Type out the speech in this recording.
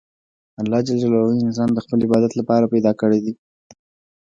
الله جل جلاله انسان د خپل عبادت له پاره پیدا کړى دئ.